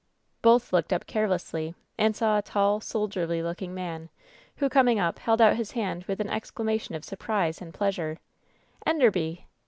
Both looked up carelessly and saw a tall, soldiery, looking man, who, coming np, held out his hand with an exclamation of surprise and pleasure: "Enderby